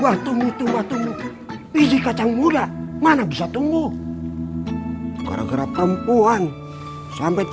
wah tunggu tunggu pijik kacang muda mana bisa tunggu kera kera perempuan sampai